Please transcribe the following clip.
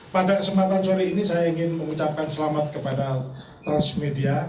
pada kesempatan sore ini saya ingin mengucapkan selamat kepada transmedia